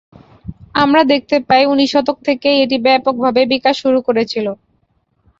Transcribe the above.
আমরা দেখতে পাই উনিশ শতক থেকেই এটি ব্যাপকভাবে বিকাশ শুরু করেছিল।